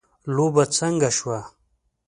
لوبه څنګه شوه .